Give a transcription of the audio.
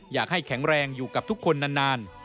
อยากให้แข็งแรงอยู่กับทุกคนนาน